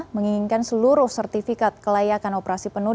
menginginkan seluruh sertifikat kelayakan operasi penuh